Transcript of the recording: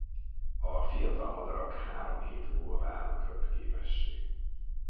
A fiatal madarak három hét múlva válnak röpképessé.